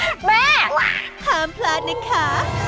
แม่หาพลาดหนึ่งค่ะ